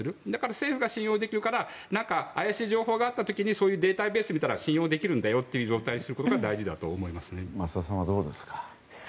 政府が信用できるから怪しい情報があった時にそういうデータベースを見たら信用できるんだよという状態にすることが増田さんはどうですか？